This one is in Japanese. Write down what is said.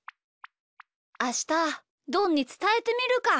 あしたどんにつたえてみるか。